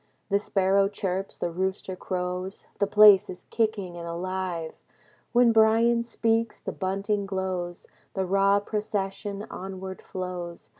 The sparrow chirps. The rooster crows. The place is kicking and alive. When Bryan speaks, the bunting glows. The raw procession onward flows.